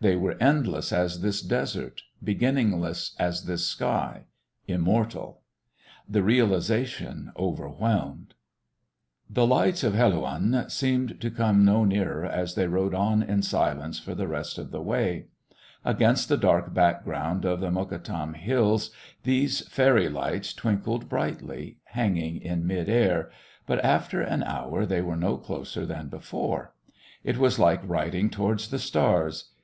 They were endless as this desert, beginningless as this sky ... immortal. The realisation overwhelmed.... The lights of Helouan seemed to come no nearer as they rode on in silence for the rest of the way. Against the dark background of the Mokattam Hills these fairy lights twinkled brightly, hanging in mid air, but after an hour they were no closer than before. It was like riding towards the stars.